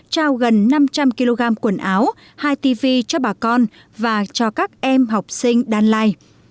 trao gần năm trăm linh kg quần áo hai tv cho bà con và cho các em học sinh đan lai